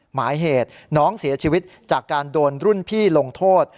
หมายเหตุน้องเสียชีวิตจากการโดนรุ่นพี่ลงโทษ